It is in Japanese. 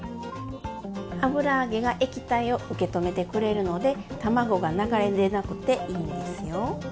油揚げが液体を受け止めてくれるので卵が流れ出なくていいんですよ。